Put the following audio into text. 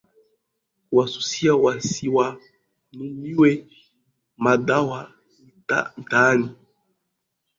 kuwasusia wasiwanunue madawa mitaani